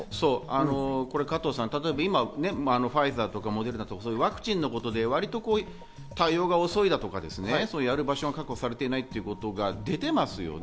加藤さん、例えばファイザーとかモデルナとかワクチンのことで今、対応が遅いだとか、やる場所が確保されていないということが出てますね。